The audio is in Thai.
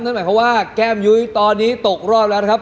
นั่นหมายความว่าแก้มยุ้ยตอนนี้ตกรอบแล้วนะครับ